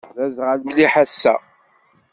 D aẓɣal mliḥ ass-a.